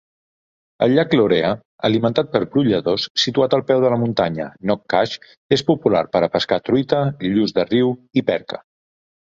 El llac Loughrea, alimentat per brolladors, situat al peu de la muntanya Knockash és popular per a pescar truita, lluç de riu i perca.